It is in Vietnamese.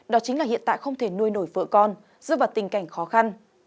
đó chính là hiện tại không thể nuôi nổi vợ con dưới vật tình cảnh khó khăn